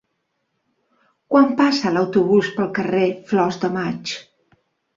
Quan passa l'autobús pel carrer Flors de Maig?